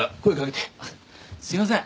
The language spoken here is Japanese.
あっすいません。